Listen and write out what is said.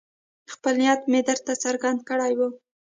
خپل نیت مې درته څرګند کړی وو.